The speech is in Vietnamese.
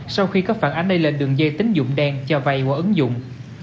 sau khi có phản ánh đây là đường dây tính dụng đen cho vay của ấn dụng